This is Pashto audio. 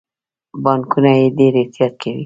بانکونه یې ډیر احتیاط کوي.